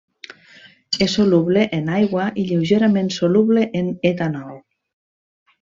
És soluble en aigua i lleugerament soluble en etanol.